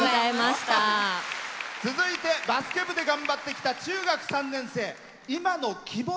続いてバスケ部で頑張ってきた中学３年生。